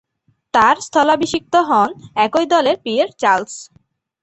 তার স্থলাভিষিক্ত হন একই দলের পিয়ের চার্লস।